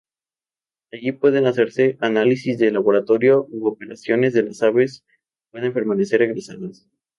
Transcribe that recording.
Allí pueden hacerse análisis de laboratorio u operaciones y las aves pueden permanecer ingresadas.